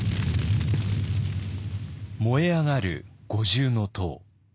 燃え上がる五重塔。